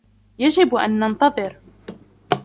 يجب أن ننتظر.